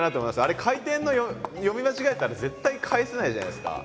あれ回転の読み間違えたら絶対返せないじゃないですか。